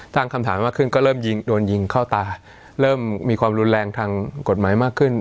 ตั้งคำถามมากขึ้นก็เริ่มยิงโดนยิงเข้าตาเริ่มมีความรุนแรงทางกฎหมายมากขึ้น